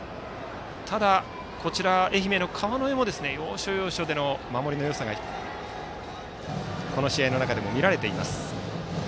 愛媛の川之江も要所要所で守りのよさがこの試合の中でも見られています。